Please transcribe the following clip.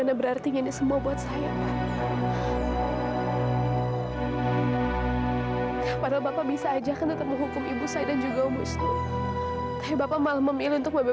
yang jelas sekali lagi saya ucapkan terima kasih untuk bapak